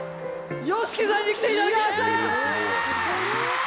ＹＯＳＨＩＫＩさんに来ていただきました！